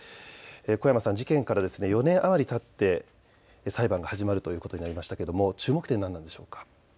小山さん、事件から４年余りたって裁判が始まるということになりましたが注目点は何でしょうか。